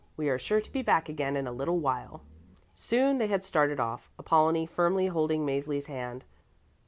We are sure to be back again in a little while." Soon they started off, Apollonie firmly holding Mäzli's hand.